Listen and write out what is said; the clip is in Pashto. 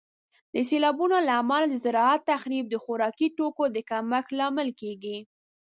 د سیلابونو له امله د زراعت تخریب د خوراکي توکو د کمښت لامل کیږي.